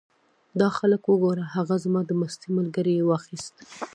دا خلک وګوره! هغه زما د مستۍ ملګری یې واخیست.